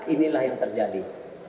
inilah yang terjadi